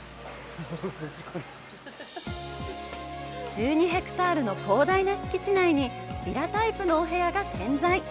１２ヘクタールの広大な敷地内にヴィラタイプのお部屋が点在。